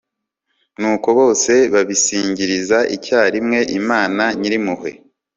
nuko bose basingiriza icyarimwe imana nyir'impuhwe